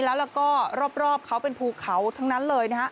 แล้วก็รอบเขาเป็นภูเขาทั้งนั้นเลยนะฮะ